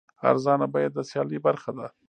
ارزانه بیه د سیالۍ برخه ده.